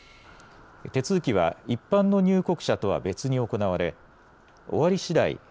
手続きは一般の入国者とは別に行われ終わりしだい